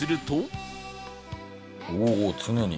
おお常に。